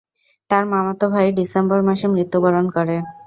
তার মামাতো ভাই ডিসেম্বর মাসে মৃত্যুবরণ করে।